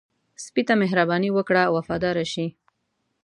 سپي ته مهرباني وکړه، وفاداره شي.